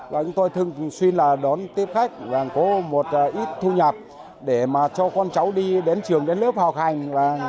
chúng tôi thường xuyên đón tiếp khách có một ít thu nhập để cho con cháu đi đến trường đến lớp học hành